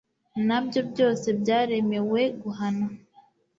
na byo byose byaremewe guhana